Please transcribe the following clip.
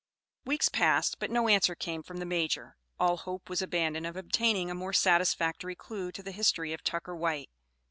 Weeks passed, but no answer came from the Major. All hope was abandoned of obtaining a more satisfactory clue to the history of Tucker White.